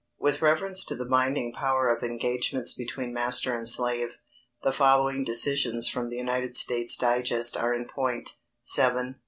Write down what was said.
With reference to the binding power of engagements between master and slave, the following decisions from the United States Digest are in point (7, p.